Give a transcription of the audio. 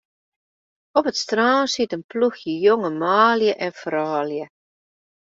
Op it strân siet in ploechje jonge manlju en froulju.